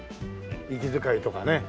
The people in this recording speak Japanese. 息遣いとかね。